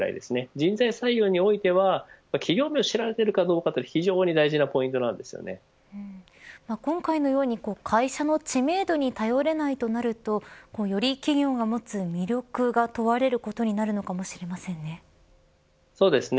人材採用においては企業名を知られているかどうかは今回のように会社の知名度に頼れないとなるとより、企業が持つ魅力が問われることにそうですね。